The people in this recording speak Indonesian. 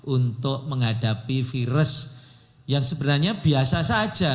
untuk menghadapi virus yang sebenarnya biasa saja